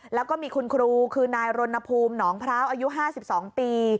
แล้วก็มีคุณครูคือนายรณภูมิหนองพร้าวอายุ๕๒ปี